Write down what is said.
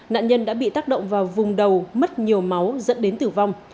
nạn nhân đã bị tác động vào vùng đầu mất nhiều máu dẫn đến tử vong